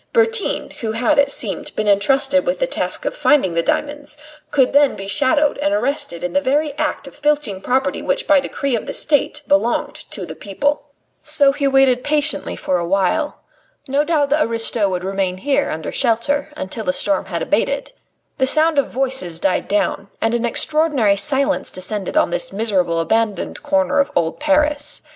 Bertin, who had, it seemed, been entrusted with the task of finding the diamonds, could then be shadowed and arrested in the very act of filching property which by decree of the State belonged to the people. So he waited patiently for a while. No doubt the aristo would remain here under shelter until the storm had abated. Soon the sound of voices died down, and an extraordinary silence descended on this miserable, abandoned corner of old Paris.